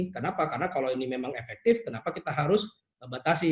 kenapa karena kalau ini memang efektif kenapa kita harus batasi